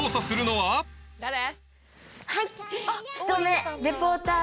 はい！